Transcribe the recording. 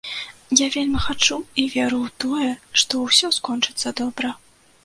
Я вельмі хачу і веру ў тое, што ўсё скончыцца добра.